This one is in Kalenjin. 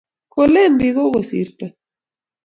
Ko lin biik kokosirto